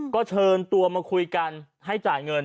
ก็เชิญตัวมาคุยกันให้จ่ายเงิน